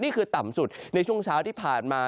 ต่ำสุดในช่วงเช้าที่ผ่านมา